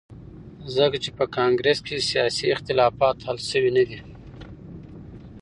ځکه چې په کانګرس کې سیاسي اختلافات حل شوي ندي.